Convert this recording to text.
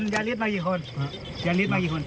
ยาฤทธิ์เรามากี่คน